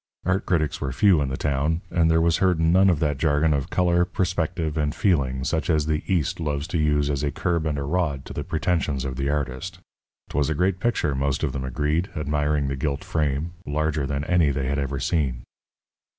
Art critics were few in the town, and there was heard none of that jargon of colour, perspective, and feeling such as the East loves to use as a curb and a rod to the pretensions of the artist. 'Twas a great picture, most of them agreed, admiring the gilt frame larger than any they had ever seen.